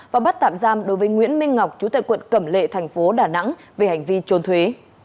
và bắt tạm giam đối với nguyễn minh ngọc chủ tệ quận cẩm lệ tp đà nẵng về hành vi trôn thuế